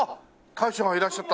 大将がいらっしゃった。